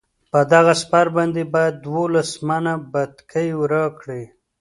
په دغه سپر باندې باید دولس منه بتکۍ راکړي.